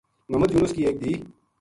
محمدیونس کی ایک دھِی